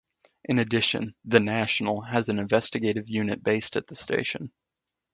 In addition "The National" has an investigative unit based at the station.